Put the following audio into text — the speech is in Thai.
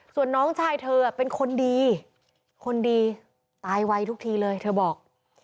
ส่วนน้องชายเธอเป็นคนดีคนดีตายไวทุกทีเลยเธอบอก